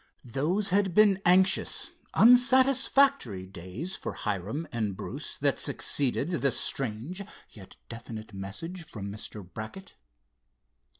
Those had been anxious, unsatisfactory days for Hiram and Bruce that succeeded the strange, yet definite message from Mr. Brackett.